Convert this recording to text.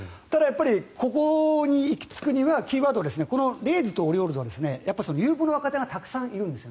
ここに行き着くにはキーワードはレイズとオリオールズはやっぱり有望な若手がたくさんいるんです。